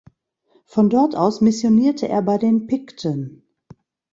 Von dort aus missionierte er bei den Pikten.